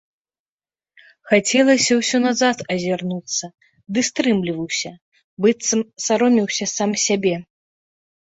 Хацелася ўсё назад азірнуцца, ды стрымліваўся, быццам саромеўся сам сябе.